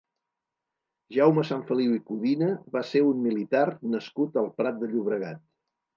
Jaume Sanfeliu i Codina va ser un militar nascut al Prat de Llobregat.